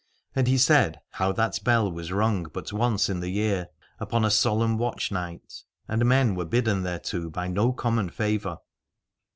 And he said how that bell was rung but once in the year, upon a solemn watch night : and men were bidden thereto by no common favour.